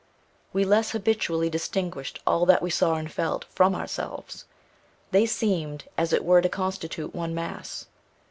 We less habitually distinguished all that we saw and felt, from ourselves. They seemed as it were to constitute one mass.